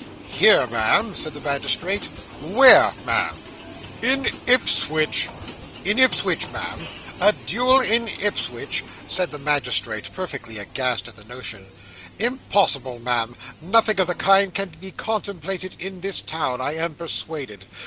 'Here, ma'am?' said the magistrate. 'Where, ma'am?' 'In Ipswich.' In Ipswich, ma'am! A duel in Ipswich!' said the magistrate, perfectly aghast at the notion. 'Impossible, ma'am; nothing of the kind can be contemplated in this town, I am persuaded.